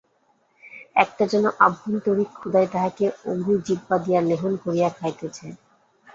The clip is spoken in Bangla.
একটা যেন আভ্যন্তরিক ক্ষুধায় তাহাকে অগ্নিজিহ্বা দিয়া লেহন করিয়া খাইতেছে।